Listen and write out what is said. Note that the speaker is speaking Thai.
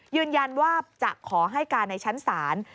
ยืนยันว่าจะขอให้การในชั้นศาล